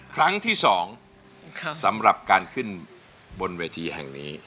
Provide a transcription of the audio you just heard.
ครั้งที่๒สำหรับการขึ้นบนเวทีแห่งนี้